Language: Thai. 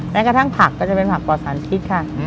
แม้กระทั่งผักก็จะเป็นผักปลอดสารพิษค่ะ